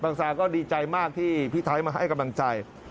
แซงก็ดีใจมากที่พี่ไทยมาให้กำลังใจ